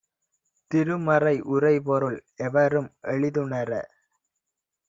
திருமறை உரைபொருள் எவரும் எளிதுணர